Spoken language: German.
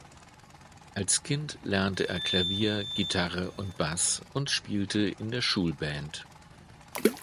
Als Kind lernte er Klavier, Gitarre und Bass und spielte in der Schulband.